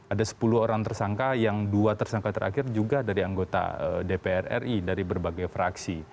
ada sepuluh orang tersangka yang dua tersangka terakhir juga dari anggota dpr ri dari berbagai fraksi